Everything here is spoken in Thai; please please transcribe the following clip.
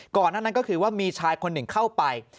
ก่อนนั้นก็คือว่ามีชายคนหนึ่งเข้าไป